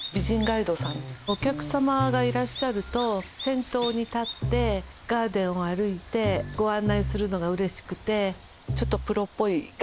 お客様がいらっしゃると先頭に立ってガーデンを歩いてご案内するのがうれしくてちょっとプロっぽいガイドさんなんです。